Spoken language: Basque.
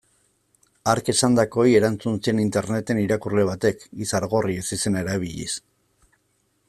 Hark esandakoei erantzun zien interneten irakurle batek, Izargorri ezizena erabiliz.